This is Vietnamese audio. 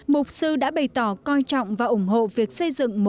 mục sư đã bày tỏ coi trọng và ủng hộ việc sử dụng tín ngưỡng tôn giáo